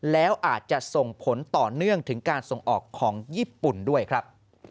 แล้วอาจจะส่งผลต่อเนื่องถึงการส่งออกของญี่ปุ่นด้วยครับ